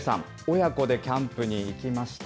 親子でキャンプに行きました。